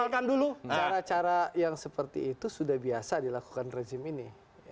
kalau cara cara yang seperti itu sudah biasa dilakukan rezim ini